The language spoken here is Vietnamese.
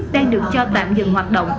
đang được cho tạm dừng hoạt động